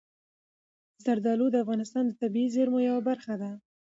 زردالو د افغانستان د طبیعي زیرمو یوه برخه ده.